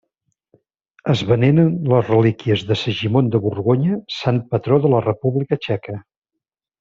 Es veneren les relíquies de Segimon de Borgonya, sant patró de la República Txeca.